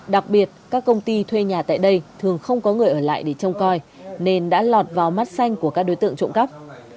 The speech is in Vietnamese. đặc biệt các công ty thuê nhà tại đây thường không có người ở lại để trông coi nên đã lọt vào mắt xanh của các đối tượng trộm cắp